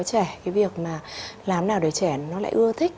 trẻ cái việc mà làm nào để trẻ nó lại ưa thích